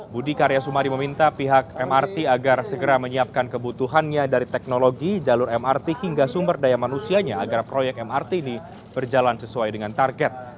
budi karya sumadi meminta pihak mrt agar segera menyiapkan kebutuhannya dari teknologi jalur mrt hingga sumber daya manusianya agar proyek mrt ini berjalan sesuai dengan target